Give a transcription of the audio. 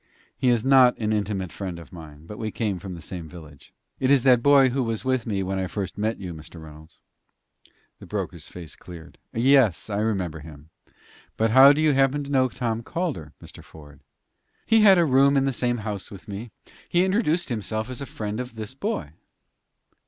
"He is not an intimate friend of mine, but we came from the same village. It is that boy who was with me when I first met you, Mr. Reynolds." The broker's face cleared. "Yes, I remember him. But how do you happen to know Tom Calder, Mr. Ford?" "He had a room at the same house with me. He introduced himself as a friend of this boy."